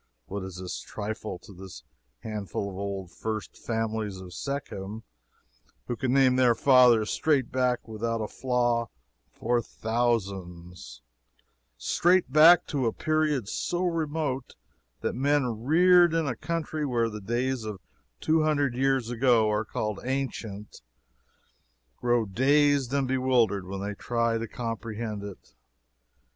What is this trifle to this handful of old first families of Shechem who can name their fathers straight back without a flaw for thousands straight back to a period so remote that men reared in a country where the days of two hundred years ago are called "ancient" times grow dazed and bewildered when they try to comprehend it!